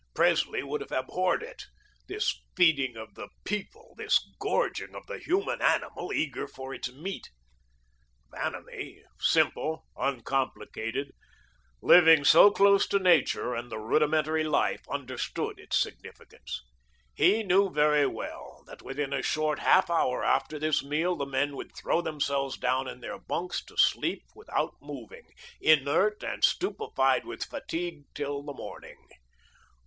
Presley would have abhorred it this feeding of the People, this gorging of the human animal, eager for its meat. Vanamee, simple, uncomplicated, living so close to nature and the rudimentary life, understood its significance. He knew very well that within a short half hour after this meal the men would throw themselves down in their bunks to sleep without moving, inert and stupefied with fatigue, till the morning.